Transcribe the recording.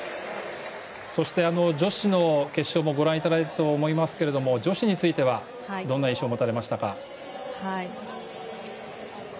そして、女子の決勝もご覧いただいたと思いますけれど女子についてはどんな印象を持たれましたか？